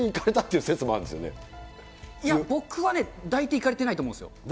いや、僕はね、抱いていかれてないと思うんですよ。